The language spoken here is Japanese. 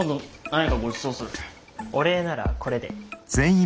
お礼ならこれで。